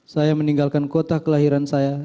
saya meninggalkan kota kelahiran saya